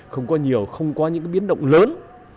không có nhiều không có những biến động lớn